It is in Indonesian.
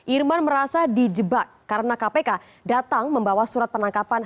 irman merasa dijebak karena kpk datang membawa surat penangkapan